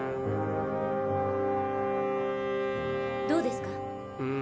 どうですか？